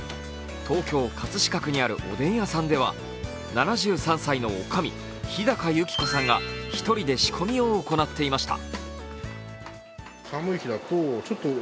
東京・葛飾区にあるおでん屋さんでは７３歳のおかみ、日高幸子さんが１人で仕込みを行っていました。